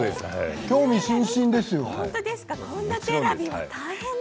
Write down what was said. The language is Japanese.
興味津々ですよ。